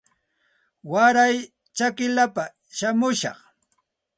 Waray chakillapa shamushaq